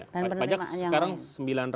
dan penerimaan yang lebih besar